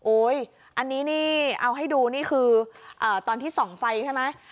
อันนี้นี่เอาให้ดูนี่คือตอนที่ส่องไฟใช่ไหม